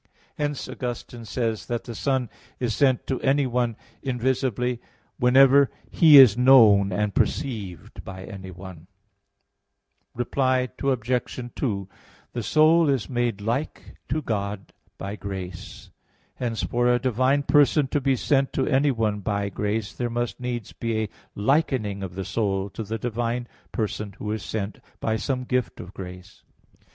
Hence Augustine says (De Trin. iv, 20) that "The Son is sent to anyone invisibly, whenever He is known and perceived by anyone." Reply Obj. 2: The soul is made like to God by grace. Hence for a divine person to be sent to anyone by grace, there must needs be a likening of the soul to the divine person Who is sent, by some gift of grace.